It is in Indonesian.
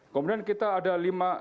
kemudian kita ada lima